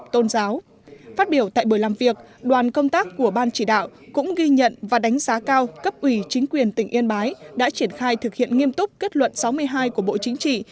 tôn giáo phát biểu tại buổi làm việc đoàn công tác của ban chỉ đạo cũng ghi nhận và đánh giá cao cấp ủy chính quyền tỉnh yên bái đã triển khai thực hiện nghiêm túc kết luận sáu mươi hai của bộ chính trị